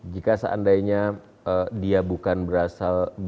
jika seandainya dia bukan berasal